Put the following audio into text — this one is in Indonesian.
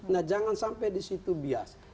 nah jangan sampai di situ bias